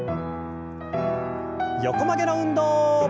横曲げの運動。